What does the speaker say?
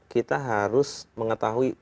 kita harus mengetahui